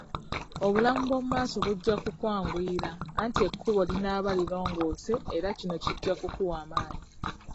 Obulamu bw'omu maaso bujja kukwanguyira, anti ekkubo linaaba lirongoose era kino kijja kukuwa amaanyi.